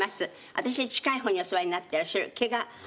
私の近い方にお座りになってらっしゃる。